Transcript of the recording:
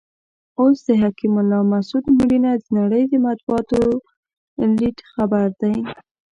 اوس د حکیم الله مسود مړینه د نړۍ د مطبوعاتو لیډ خبر دی.